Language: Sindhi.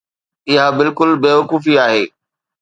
اها بلڪل بيوقوفي آهي.